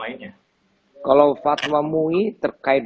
lainnya kalau fatma mui terkait